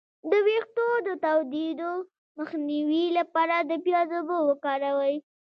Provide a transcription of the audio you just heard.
د ویښتو د تویدو مخنیوي لپاره د پیاز اوبه وکاروئ